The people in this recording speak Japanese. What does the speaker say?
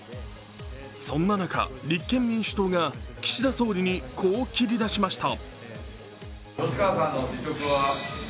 そんな中、立憲民主党が岸田総理にこう切り出しました。